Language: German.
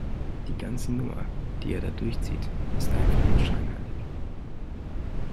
Die ganze Nummer, die er da durchzieht, ist einfach nur scheinheilig.